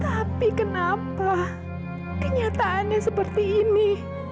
tapi kenapa kenyataannya seperti ini